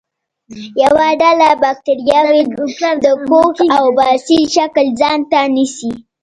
یوه ډله باکتریاوې د کوک او باسیل شکل ځانته نیسي.